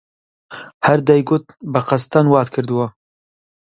هەر دەیگوت بە قەستەن وات کردووە!